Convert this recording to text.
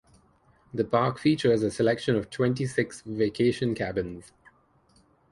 The park features a selection of twenty-six vacation cabins.